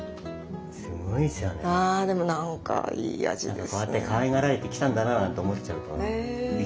あでも何かいい味ですね。